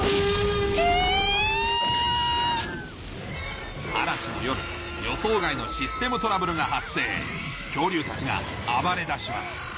えぇ⁉嵐の夜予想外のシステムトラブルが発生恐竜たちが暴れだします